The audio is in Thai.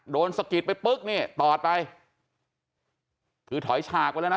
สะกิดไปปึ๊กนี่ตอดไปคือถอยฉากไปแล้วนะ